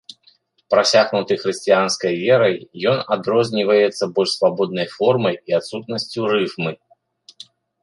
Прасякнуты хрысціянскай верай, ён адрозніваецца больш свабоднай формай і адсутнасцю рыфмы.